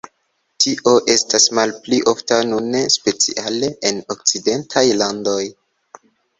Tio estas malpli ofta nune, speciale en okcidentaj landoj.